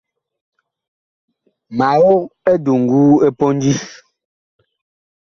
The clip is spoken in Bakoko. Ma og eduŋgu ɛ pondi.